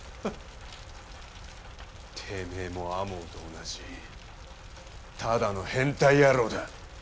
てめえも天羽と同じただの変態野郎だ。